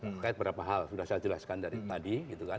terkait beberapa hal sudah saya jelaskan dari tadi